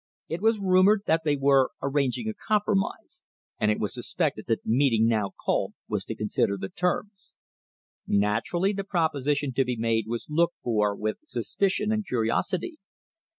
It was rumoured that they were arranging a compromise, and it was suspected that the meeting now called was to consider the terms. Natu rally the proposition to be made was looked for with suspicion and curiosity.